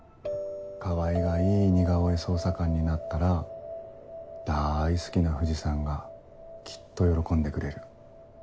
川合がいい似顔絵捜査官になったらだい好きな藤さんがきっと喜んでくれる。